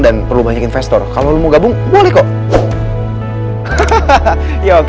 dan perlu banyak investor kalau lu mau gabung boleh kok